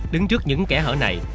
đứng trước những kẻ hở này